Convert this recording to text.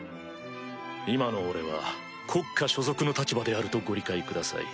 今の俺は国家所属の立場であるとご理解ください。